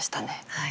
はい。